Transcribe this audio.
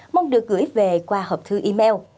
mong được gửi về qua hộp thư email